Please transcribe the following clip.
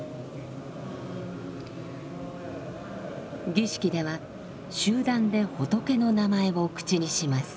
儀式では集団で仏の名前を口にします。